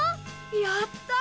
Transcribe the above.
やった！